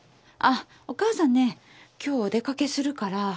あっお母さんね今日お出かけするから。